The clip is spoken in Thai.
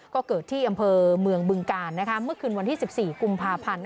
ก็เกิดที่อำเภอเมืองบึงกาลเมื่อคืนวันที่๑๔กุมภาพันธ์